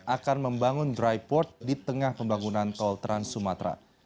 akan membangun dry port di tengah pembangunan tol trans sumatra